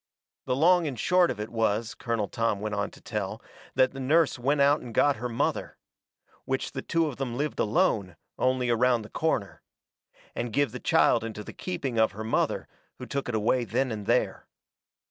The long and short of it was, Colonel Tom went on to tell, that the nurse went out and got her mother. Which the two of them lived alone, only around the corner. And give the child into the keeping of her mother, who took it away then and there.